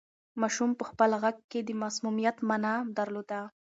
ماشوم په خپل غږ کې د معصومیت مانا درلوده.